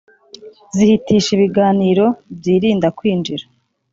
Zihitisha ibiganiro byirinda kwinjira